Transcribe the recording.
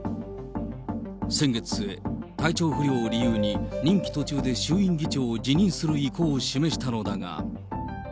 先月末、体調不良を理由に任期途中で衆院議長を辞任する意向を示したのだが。